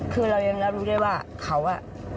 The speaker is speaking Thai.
คือเรายังรับรู้ได้ว่าเขาอ่ะ